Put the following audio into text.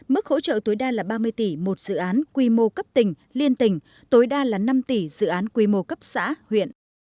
mức hỗ trợ tối đa là ba mươi tỷ một dự án quy mô cấp tỉnh liên tỉnh tối đa là năm tỷ dự án quy mô cấp xã huyện